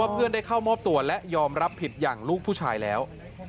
เพื่อนได้เข้ามอบตัวและยอมรับผิดอย่างลูกผู้ชายแล้ว